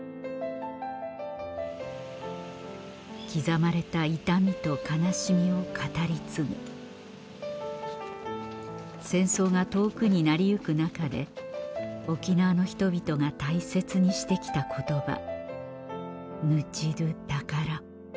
刻まれた痛みと悲しみを語り継ぐ戦争が遠くになり行く中で沖縄の人々が大切にして来た言葉